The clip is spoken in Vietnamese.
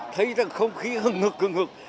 thấy rằng không khí hừng hực hừng hực